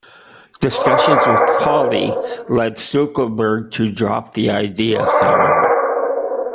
Discussions with Pauli led Stueckelberg to drop the idea, however.